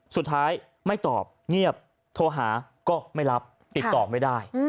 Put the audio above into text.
สุดท้ายไม่ตอบเงียบโทรหาก็ไม่รับติดต่อไม่ได้